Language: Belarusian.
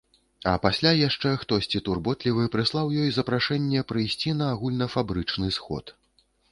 А пасля яшчэ хтосьці турботлівы прыслаў ёй запрашэнне прыйсці на агульнафабрычны сход.